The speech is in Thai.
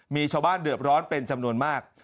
มีชาวบ้านเดือดร้อนเป็นจำนวนมาก